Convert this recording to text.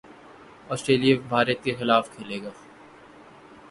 Australia Bharat کے خلاف کھیلے گا